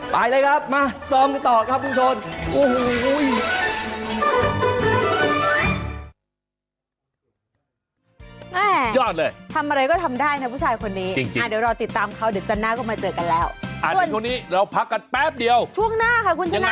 ไปเลยครับมาซ้อมกันต่อครับทุกคน